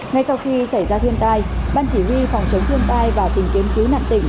ngay sau khi xảy ra thiên tai ban chỉ huy phòng chống thiên tai và tình kiến cứu nặng tỉnh